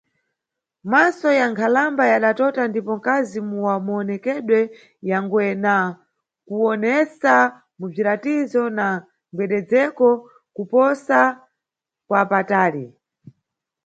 Maso ya nkhalamba yadatota ndipo mkazi mu mawonekedwe ya ngwe, na kuwonesa mu bziratizo na mgwededzeko, kupsoma kwa patali.